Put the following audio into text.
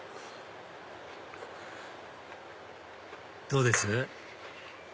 どうです？